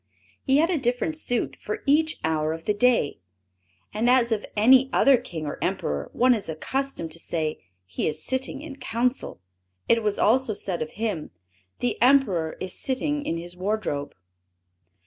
He had a different suit for each hour of the day; and as of any other king or emperor, one is accustomed to say, "he is sitting in council," it was always said of him, "The Emperor is sitting in his wardrobe."